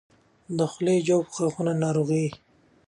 د خولې د جوف او غاښونو ناروغۍ